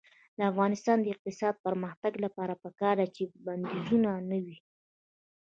د افغانستان د اقتصادي پرمختګ لپاره پکار ده چې بندیزونه نه وي.